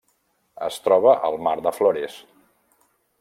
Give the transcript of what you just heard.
Es troba al Mar de Flores.